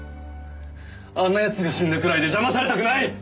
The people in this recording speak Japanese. あんな奴が死んだくらいで邪魔されたくない！